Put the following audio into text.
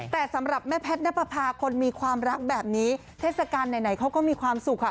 แต่สำหรับแม่แพทย์นับประพาคนมีความรักแบบนี้เทศกาลไหนเขาก็มีความสุขค่ะ